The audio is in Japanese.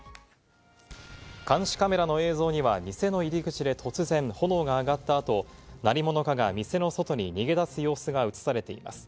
監視カメラの映像には店の入り口で突然、炎が上がった後、何者かが店の外に逃げ出す様子が映されています。